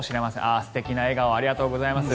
ああ、素敵な笑顔ありがとうございます。